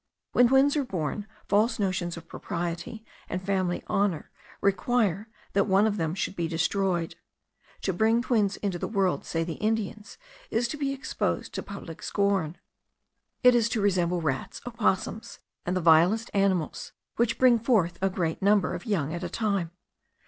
When twins are born, false notions of propriety and family honour require that one of them should be destroyed. To bring twins into the world, say the Indians, is to be exposed to public scorn; it is to resemble rats, opossums, and the vilest animals, which bring forth a great number of young at a time.